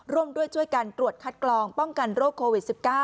ร่วมด้วยช่วยกันตรวจคัดกรองป้องกันโรคโควิด๑๙